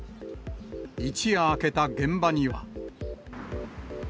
一夜明けた現場には。